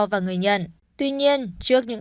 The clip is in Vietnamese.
và người nhận tuy nhiên trước những